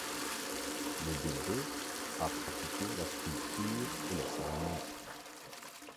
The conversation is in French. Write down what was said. Le Delbet a pratiqué la sculpture et la céramique.